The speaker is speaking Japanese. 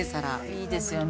いいですよね。